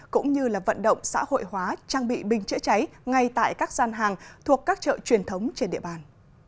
cũng như vận động xã hội hóa trang bị bình chữa cháy ngay tại các gian hàng thuộc các chợ truyền thống trên địa bàn